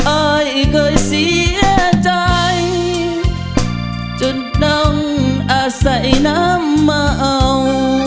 อ้ายเคยเสียใจจนน้องอาใส่น้ำเมา